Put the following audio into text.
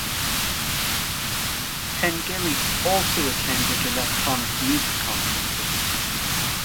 Pengilly also attended electronic music conferences.